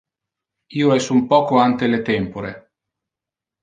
Io es un poco ante le tempore.